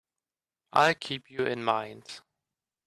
I'll keep you in mind.